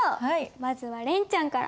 まずはれんちゃんから。